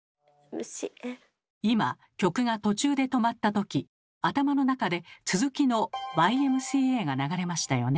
Ｍ．Ｃ．Ａ．今曲が途中で止まったとき頭の中で続きの「Ｙ．Ｍ．Ｃ．Ａ．」が流れましたよね？